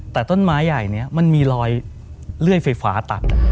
แต่ต้นไม้ใหญ่นี้มันมีรอยเลื่อยไฟฟ้าตัด